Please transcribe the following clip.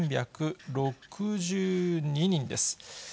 ２３６２人です。